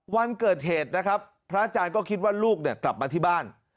วันเกิดเหตุนะครับพระอาจารย์ก็คิดว่าลูกเนี่ยกลับมาที่บ้าน